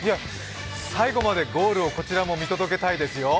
最後までゴールをこちらも見届けたいですよ。